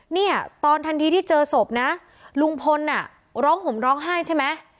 เนี่ยตอนทันทีที่เจอศพนะลุงพลน่ะร้องห่มร้องไห้ใช่ไหม